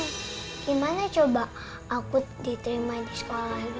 gimana coba aku diterima di sekolah gitu